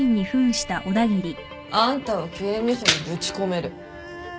あんたを刑務所にぶち込める。